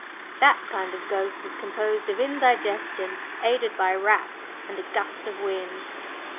That kind of ghost is composed of indigestion, aided by rats and a gust of wind.